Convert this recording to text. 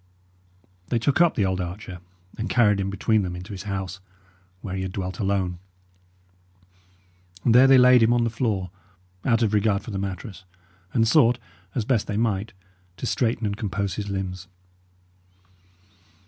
They took up the old archer, and carried him between them into his house, where he had dwelt alone. And there they laid him on the floor, out of regard for the mattress, and sought, as best they might, to straighten and compose his limbs.